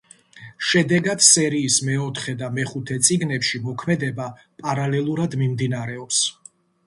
შედეგად სერიის მეოთხე და მეხუთე წიგნებში მოქმედება პარალელურად მიმდინარეობს.